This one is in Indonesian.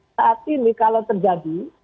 saat ini kalau terjadi